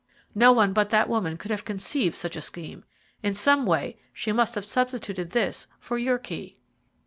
No one but that woman could have conceived such a scheme. In some way she must have substituted this for your key."